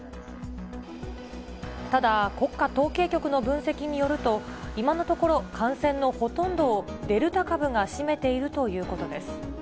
ただ、国家統計局の分析によると、今のところ、感染のほとんどをデルタ株が占めているということです。